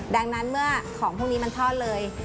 ดังนั้นเมื่อของพวกนี้มันทอดเลย